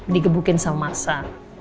digebukin sama masa